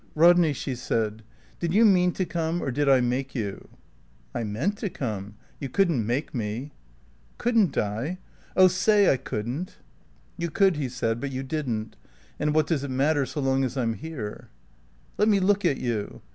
"Rodney," she said, "did you mean to come, or did I make you?" "I meant to come. You couldn't make me." "Couldn't I? Oh say I couldn't." "You could," he said, "but you didn't. And what does it matter so long as I'm here?" "Let me look at you."